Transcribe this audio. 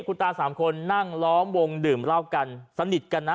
คุณตาสามคนนั่งล้อมวงดื่มเหล้ากันสนิทกันนะ